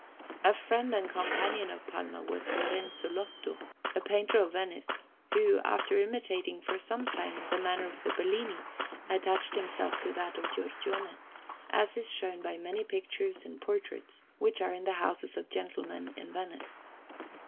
A friend and companion of Palma was Lorenzo Lotto, a painter of Venice, who, after imitating for some time the manner of the Bellini, attached himself to that of Giorgione, as is shown by many pictures and portraits which are in the houses of gentlemen in Venice.